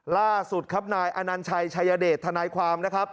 ล่าสุดครับนายอนัญชัยชายเดชทนายความนะครับ